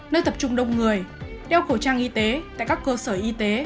nơi tập trung đông người đeo khẩu trang y tế tại các cơ sở y tế